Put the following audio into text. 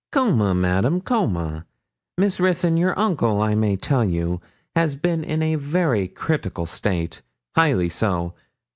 Coma, madam; coma. Miss Ruthyn, your uncle, I may tell you, has been in a very critical state; highly so.